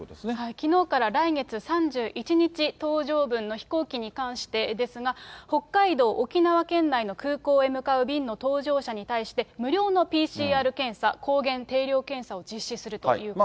きのうから来月３１日搭乗分の飛行機に関してですが、北海道、沖縄県内の空港へ向かう便の搭乗者に対して、無料のＰＣＲ検査、抗原定量検査を実施するということです。